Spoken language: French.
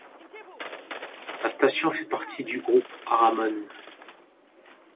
La station fait partie du groupe Aramón.